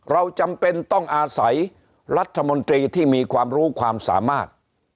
จำเป็นต้องอาศัยรัฐมนตรีที่มีความรู้ความสามารถ